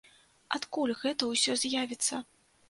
Адкуль гэта ўсё з'явіцца?